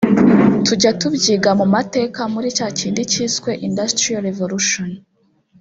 tujya tubyiga mu mateka muri cyakindi cyiswe industrial revolution